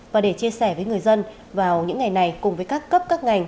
và để chia sẻ với người dân vào những ngày này cùng với các cấp các ngành